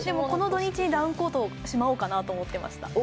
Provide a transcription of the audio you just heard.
この土日にダウンコートをしまおうかなと思っていました。